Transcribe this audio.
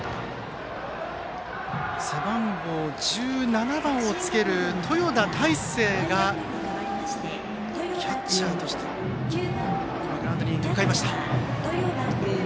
背番号１７番をつける豊田大晴がキャッチャーとしてグラウンドに向かいました。